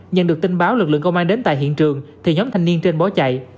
nhận được tin báo lực lượng công an đến tại hiện trường thì nhóm thanh niên trên bỏ chạy